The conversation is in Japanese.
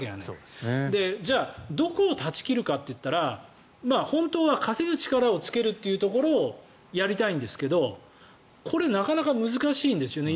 じゃあどこを断ち切るかというと本当は稼ぐ力をつけるというところをやりたいんですけどこれなかなか難しいんですよね